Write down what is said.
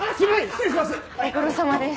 失礼します！